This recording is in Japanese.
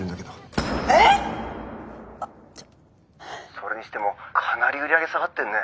それにしてもかなり売り上げ下がってんね。